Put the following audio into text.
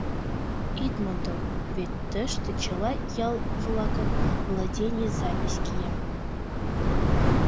Ит мондо: вет тыште чыла ял-влакын владений запись кия.